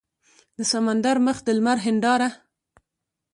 د سمندر مخ د لمر هینداره